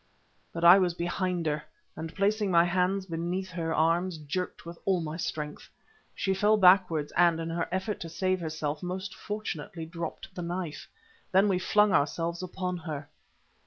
But I was behind her, and, placing my hands beneath her arms, jerked with all my strength. She fell backwards, and, in her effort to save herself, most fortunately dropped the knife. Then we flung ourselves upon her.